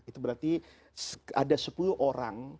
itu berarti ada sepuluh orang